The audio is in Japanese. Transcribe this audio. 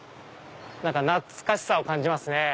懐かしさを感じますね。